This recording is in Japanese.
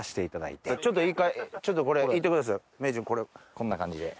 こんな感じで。